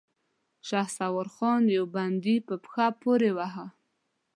شهسوار خان يو بندي په پښه پورې واهه.